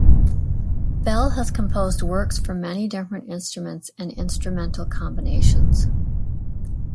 Bell has composed works for many different instruments and instrumental combinations.